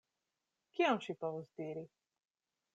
Kion ŝi povus diri?